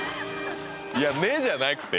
いや「ねっ？」じゃなくて。